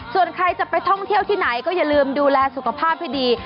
ส่วนใครจะไปท่องเที่ยวที่ไหนก็อย่าลืมดูแลสุขภาพให้ดี